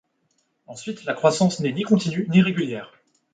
Ensuite, la croissance n'est ni continue, ni régulière.